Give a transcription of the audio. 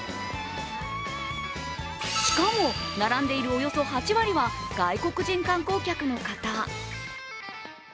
しかも並んでいるおよそ８割は外国人観光客の方。